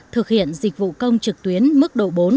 thực hiện dịch vụ công trực tuyến mức độ bốn